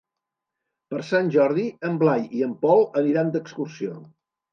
Per Sant Jordi en Blai i en Pol aniran d'excursió.